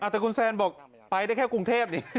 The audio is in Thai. แต่คุณแซนบอกไปได้แค่กรุงเทพนี่